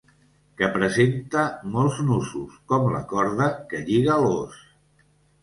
Que presenta molts nusos, com la corda que lliga l'ós.